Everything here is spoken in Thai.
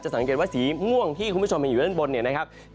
จะสังเกตว่าสีง่วงที่คุณผู้ชมเห็นอยู่ด้านบน